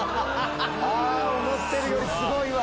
あ思ってるよりすごいわ。